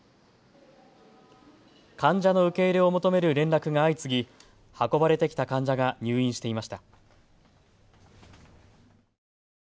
患者の受け入れを求める連絡が相次ぎ、運ばれてきた患者が入院していました。